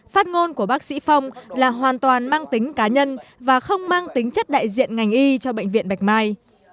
phát ngôn của bác sĩ phong là hoàn toàn mang tính cá nhân và không mang tính chất đại diện ngành y cho bệnh viện bạch mai